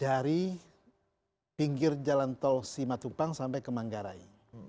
dari pinggir jalan tol simatupang sampai ke manggarai